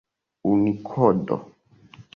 unikodo